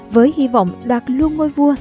với hy vọng đoạt luôn ngôi vua